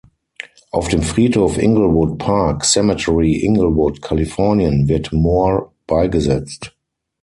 Auf dem Friedhof Inglewood Park Cemetery, Inglewood, Kalifornien, wird Moore beigesetzt.